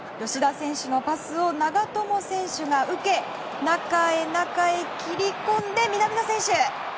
吉田選手のパスを長友選手が受け中へ中へ切り込んで、南野選手。